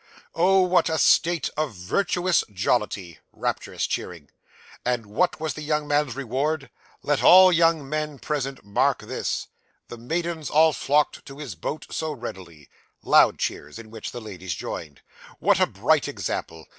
Oh, what a state of virtuous jollity! (rapturous cheering). And what was the young man's reward? Let all young men present mark this: 'The maidens all flocked to his boat so readily.' (Loud cheers, in which the ladies joined.) What a bright example!